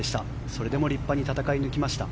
それでも立派に戦い抜きました。